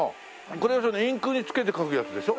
これはインクにつけて書くやつでしょ？